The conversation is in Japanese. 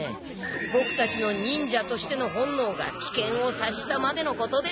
ボクたちの忍者としての本のうがきけんをさっしたまでのことです。